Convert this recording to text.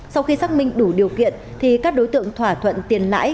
sau khi xác minh đủ điều kiện thì các đối tượng thỏa thuận tiền lãi